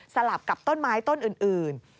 สลับกับต้นไม้ต้นอื่น